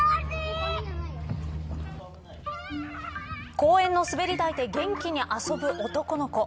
公園の滑り台で元気に遊ぶ男の子。